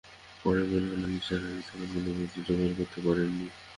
পড়ে মনে হল নিসার আলি তেমন কোনো তথ্য জোগাড় করতে পারেন নি।